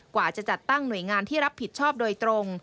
กว่าจะจัดตั้งหน่วยงานที่รับผิดชอบโดยตรง